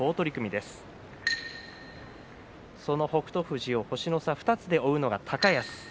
富士を星の差２つで追うのが高安。